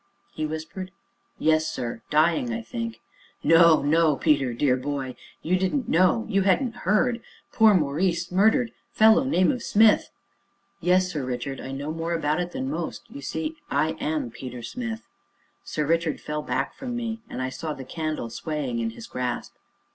he whispered. "Yes, sir dying, I think." "No, no Peter dear boy," he stammered. "You didn't know you hadn't heard poor Maurice murdered fellow name of Smith !" "Yes, Sir Richard, I know more about it than most. You see, I am Peter Smith." Sir Richard fell back from me, and I saw the candle swaying in his grasp.